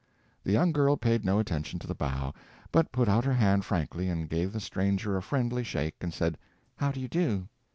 The young girl paid no attention to the bow, but put out her hand frankly and gave the stranger a friendly shake and said: "How do you do?"